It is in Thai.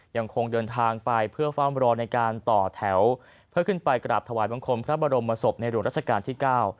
ยังคงเดินทางไปเพื่อเฝ้ามรอในการต่อแถวเพื่อขึ้นไปกราบถวายบังคมพระบรมศพในหลวงราชการที่๙